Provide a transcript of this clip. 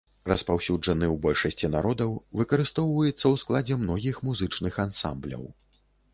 Распаўсюджаны ў большасці народаў, выкарыстоўваецца ў складзе многіх музычных ансамбляў.